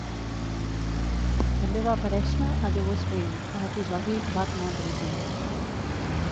També va aparèixer a "The West Wing" a l'episodi "Bad Moon Rising".